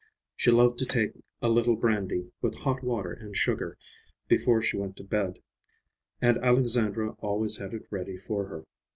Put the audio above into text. She loved to take a little brandy, with hot water and sugar, before she went to bed, and Alexandra always had it ready for her.